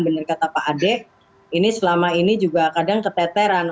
benar kata pak ade ini selama ini juga kadang keteteran